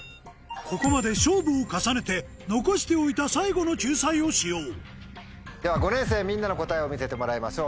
ここまで勝負を重ねて残しておいた最後の救済を使用では５年生みんなの答えを見せてもらいましょう。